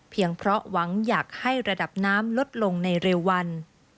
เพราะหวังอยากให้ระดับน้ำลดลงในเร็ววัน